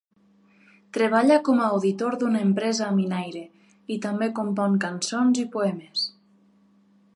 Treballa com a auditor d'una empresa minaire, i també compon cançons i poemes.